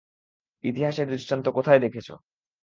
ইতিহাসে এর দৃষ্টান্ত কোথায় দেখেছ?